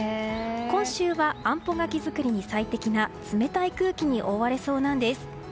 今週はあんぽ柿作りに最適な冷たい空気に覆われそうなんです。